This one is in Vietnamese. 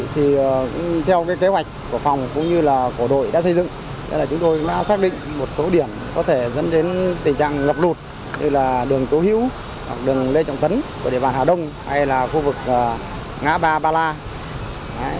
thực hiện kế hoạch của ban chí huy vòng chống lục đảo tìm kiếm cứu nạn cứu hộ công an thành phố hà nội